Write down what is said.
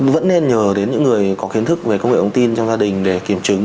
vẫn nên nhờ đến những người có kiến thức về công nghệ ống tin trong gia đình để kiểm chứng